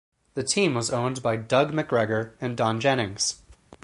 The team was owned by Doug MacGregor and Donn Jennings.